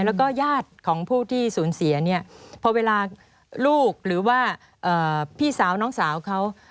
แล้วก็ญาติของผู้ที่สูญเสียเนี่ยพอเวลาลูกหรือว่าพี่สาวน้องสาวเขา